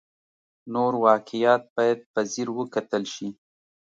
نور واقعیات باید په ځیر وکتل شي.